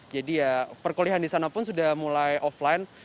jadi ya perkulian di sana pun sudah mulai offline